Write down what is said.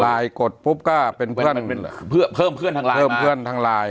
กดปุ๊บก็เป็นเพื่อนเพิ่มเพื่อนทางไลน์เพิ่มเพื่อนทางไลน์